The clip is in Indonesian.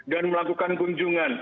dan melakukan kunjungan